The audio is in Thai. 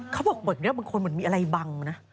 เขาบอกเหมือนบางคนมันมีอะไรบังนะ